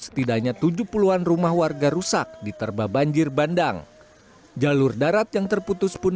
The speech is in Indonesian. setidaknya tujuh puluh an rumah warga rusak diterba banjir bandang jalur darat yang terputus pun